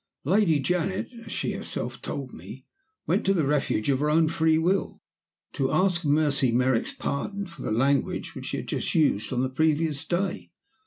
Lady Janet (as she herself told me) went to the Refuge of her own free will to ask Mercy Merrick's pardon for the language which she had used on the previous day.